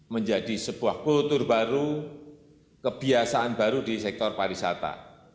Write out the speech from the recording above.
menjadi sebuah kultur baru kebiasaan baru di sektor pariwisata